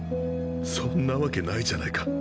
そんなわけないじゃないか。